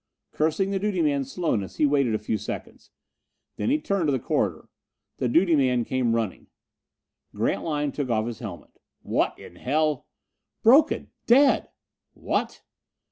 Cursing the duty man's slowness, he waited a few seconds. Then he turned to the corridor. The duty man came running. Grantline took off his helmet. "What in hell " "Broken! Dead!" "What!"